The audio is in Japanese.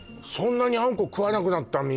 そんなにあんこ食わなくなった？